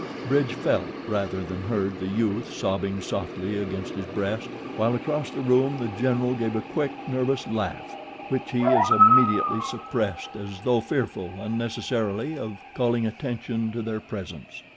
Bridge felt rather than heard the youth sobbing softly against his breast, while across the room The General gave a quick, nervous laugh which he as immediately suppressed as though fearful unnecessarily of calling attention to their presence.